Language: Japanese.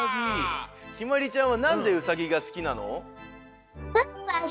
ひまりちゃんはなんでウサギがすきなの？